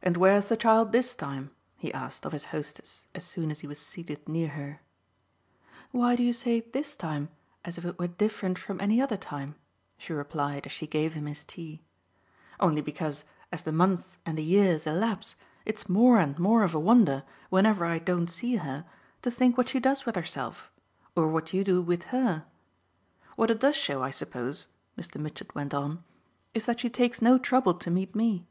"And where's the child this time?" he asked of his hostess as soon as he was seated near her. "Why do you say 'this time' as if it were different from any other time?" she replied as she gave him his tea. "Only because, as the months and the years elapse, it's more and more of a wonder, whenever I don't see her, to think what she does with herself or what you do with her. What it does show, I suppose," Mr. Mitchett went on, "is that she takes no trouble to meet me."